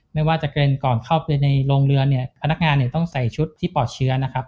ไม่ว่าจะเกินก่อนเข้าไปในโรงเรือนเนี่ยพนักงานเนี่ยต้องใส่ชุดที่ปลอดเชื้อนะครับ